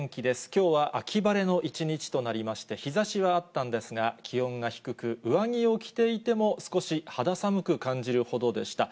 きょうは秋晴れの一日となりまして、日ざしはあったんですが、気温が低く、上着を着ていても少し肌寒く感じるほどでした。